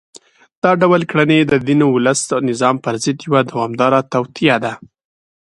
دا ډول کړنې د دین، ولس او نظام پر ضد یوه دوامداره توطیه ده